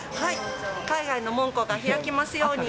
海外の門戸が開きますように。